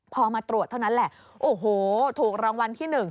พอมาตรวจเท่านั้นแหละโอ้โหถูกรางวัลที่๑